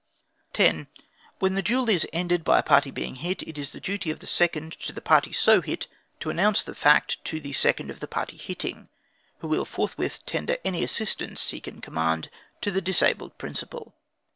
10. When the duel is ended by a party being hit, it is the duty of the second to the party so hit, to announce the fact to the second of the party hitting, who will forthwith tender any assistance he can command to the disabled principal.